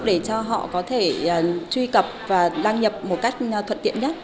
để cho họ có thể truy cập và đăng nhập một cách thuận tiện nhất